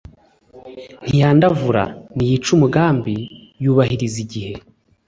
ntiyandavura, ntiyica umugambi, yubahiriza igihe